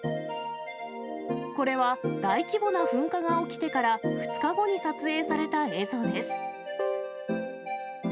これは大規模な噴火が起きてから２日後に撮影された映像です。